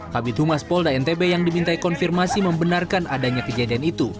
kabit humas polda ntb yang dimintai konfirmasi membenarkan adanya kejadian itu